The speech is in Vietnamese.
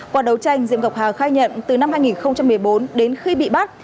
qua đấu tranh diệm ngọc hà khai nhận từ năm hai nghìn một mươi bốn đến khi bị bắt